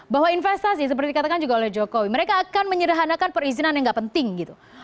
bahwa investasi seperti katakan juga oleh jokowi mereka akan menyederhanakan perizinan yang gak penting gitu